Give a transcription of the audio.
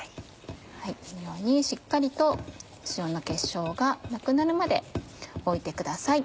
このようにしっかりと塩の結晶がなくなるまで置いてください。